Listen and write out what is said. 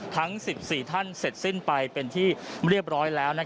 ทั้ง๑๔ท่านเสร็จสิ้นไปเป็นที่เรียบร้อยแล้ว